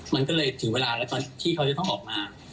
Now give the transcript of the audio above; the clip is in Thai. มันก็เลยถึงเวลาแล้วตอนที่เขาจะต้องออกมา